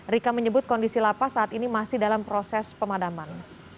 rika menyebut kondisi lapas saat ini masih dalam proses pemadaman